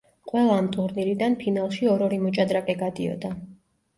ყველა ამ ტურნირიდან ფინალში ორ-ორი მოჭადრაკე გადიოდა.